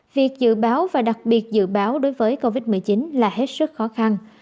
việc dự báo và đặc biệt dự báo đối với covid một mươi chín là hết sức khó khăn